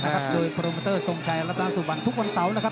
โดยโครมเมอร์เตอร์ชงชัยรัตราสู่บันทุกวันเสาร์